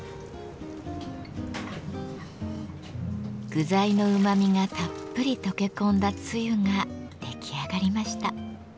具材のうまみがたっぷり溶け込んだつゆが出来上がりました。